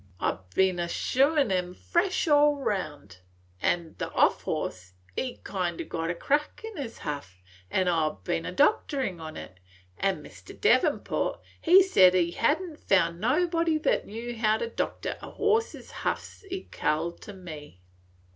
I 've been a shoein' on 'em fresh all round, an' the off horse, he 'd kind o' got a crack in his huff, an' I 've been a doctorin' on 't; an' Mr Devenport, he said he had n't found nobody that knew how to doctor a horse's huffs ekal to me.